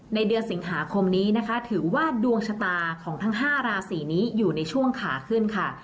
เดือนสิงหาคมนี้นะคะถือว่าดวงชะตาของทั้ง๕ราศีนี้อยู่ในช่วงขาขึ้นค่ะ